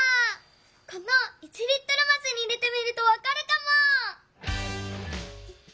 この１リットルますに入れてみるとわかるかも。